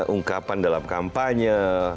ungkapan dalam kampanye